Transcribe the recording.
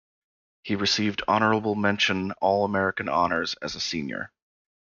He received honorable-mention All-American honors as a senior.